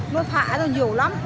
nó phá ra nhiều lắm